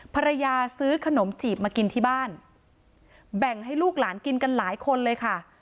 ซื้อขนมจีบมากินที่บ้านแบ่งให้ลูกหลานกินกันหลายคนเลยค่ะ